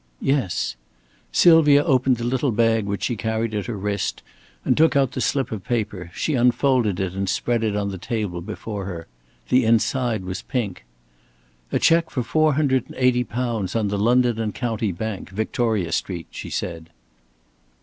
"Yes." Sylvia opened the little bag which she carried at her wrist and took out the slip of paper. She unfolded it and spread it on the table before her. The inside was pink. "A check for £480 on the London and County Bank, Victoria Street," she said.